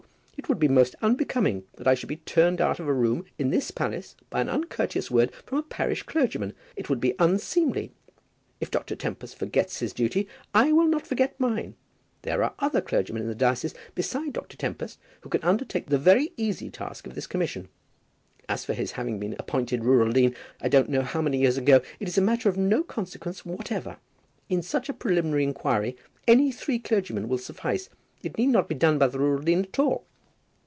It would be most unbecoming that I should be turned out of a room in this palace by an uncourteous word from a parish clergyman. It would be unseemly. If Dr. Tempest forgets his duty, I will not forget mine. There are other clergymen in the diocese besides Dr. Tempest who can undertake the very easy task of this commission. As for his having been appointed rural dean I don't know how many years ago, it is a matter of no consequence whatever. In such a preliminary inquiry any three clergymen will suffice. It need not be done by the rural dean at all."